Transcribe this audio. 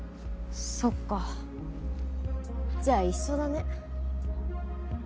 そっかじゃあ一緒だね。